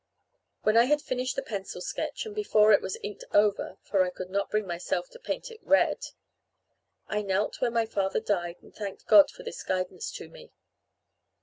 When I had finished the pencil sketch, and before it was inked over (for I could not bring myself to paint it red), I knelt where my father died and thanked God for this guidance to me.